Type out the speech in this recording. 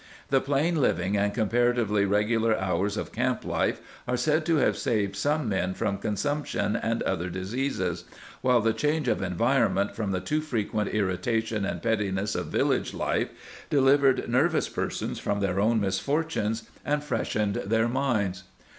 The plain living and comparatively regular hours of camp life are said to have saved some men from consumption and other diseases ; while the change of environment from the too frequent irritation and pettiness of village life delivered nervous per sons from their own misfortunes and freshened their minds.